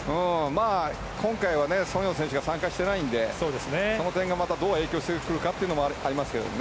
今回は、ソン・ヨウ選手が参加してないのでその点がどう影響してくるかというのもありますね。